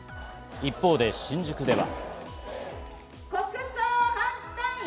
一方で新宿では。